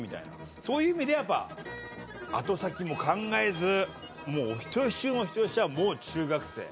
そういう意味でやっぱ後先も考えずお人好し中のお人好しはもう中学生。